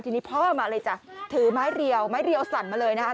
ทีนี้พ่อมาเลยจ้ะถือไม้เรียวไม้เรียวสั่นมาเลยนะคะ